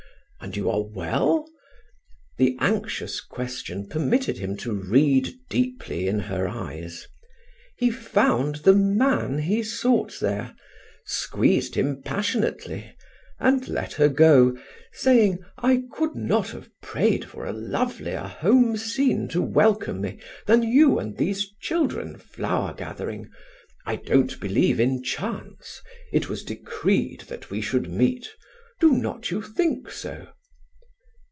And you are well?" The anxious question permitted him to read deeply in her eyes. He found the man he sought there, squeezed him passionately, and let her go, saying: "I could not have prayed for a lovelier home scene to welcome me than you and these children flower gathering. I don't believe in chance. It was decreed that we should meet. Do not you think so?"